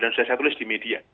dan sudah saya tulis di media